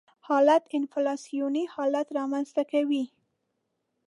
حالت انفلاسیوني حالت رامنځته کوي.